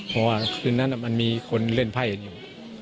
เพราะว่าคืนนั้นมันมีคนเล่นไพ่กันอยู่